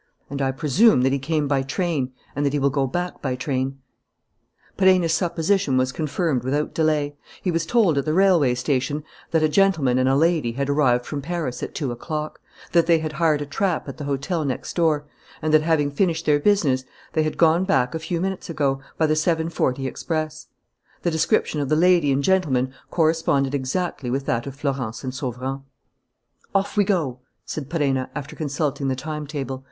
And I presume that he came by train and that he will go back by train." Perenna's supposition was confirmed without delay. He was told at the railway station that a gentleman and a lady had arrived from Paris at two o'clock, that they had hired a trap at the hotel next door, and that, having finished their business, they had gone back a few minutes ago, by the 7:40 express. The description of the lady and gentleman corresponded exactly with that of Florence and Sauverand. "Off we go!" said Perenna, after consulting the timetable.